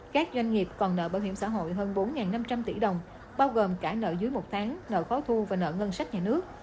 các doanh nghiệp còn nợ bảo hiểm xã hội hơn bốn năm trăm linh tỷ đồng bao gồm cả nợ dưới một tháng nợ khó thu và nợ ngân sách nhà nước